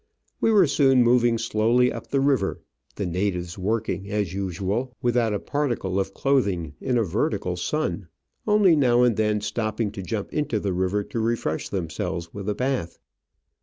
We were soon moving slowly up the river, the natives working, as usual, without a particle of clothing in a vertical sun, only now and then stopping to jump into the river to refresh themselves with a bath.